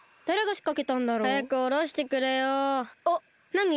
なに？